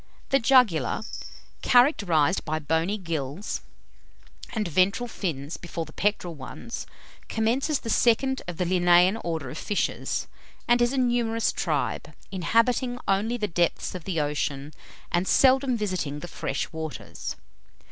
The Jugular, characterized by bony gills, and ventral fins before the pectoral ones, commences the second of the Linnaean orders of fishes, and is a numerous tribe, inhabiting only the depths of the ocean, and seldom visiting the fresh waters.